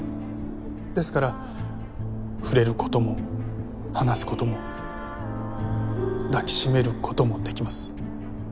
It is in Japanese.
ですから触れることも話すことも抱きしめることもできます。